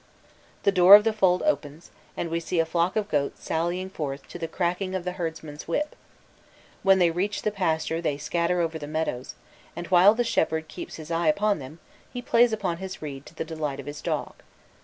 The door of the fold opens, and we see a flock of goats sallying forth to the cracking of the herdsman's whip: when they reach the pasture they scatter over the meadows, and while the shepherd keeps his eye upon them, he plays upon his reed to the delight of his dog.